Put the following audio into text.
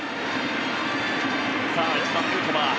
さあ１番ヌートバー。